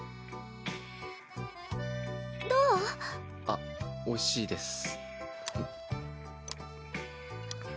あっおいしいです。